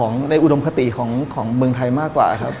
ในอุดมคติของเมืองไทยมากกว่าครับ